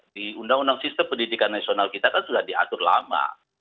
di undang undang sistem pendidikan nasional kita kan sudah diatur lama